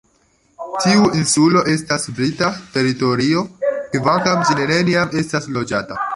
Tiu insulo estas brita teritorio, kvankam ĝi neniam estis loĝata.